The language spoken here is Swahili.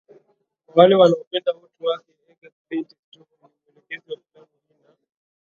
kwa wale wanaopenda utu wake Edgar Klint Istvud ni mwelekezi wa filamu hii na